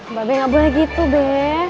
mbak be gak boleh gitu be